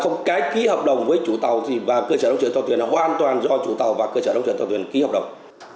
không cái ký hợp đồng với chủ tàu và cơ sở đông chuyển tàu tuyển là hoàn toàn do chủ tàu và cơ sở đông chuyển tàu tuyển ký hợp đồng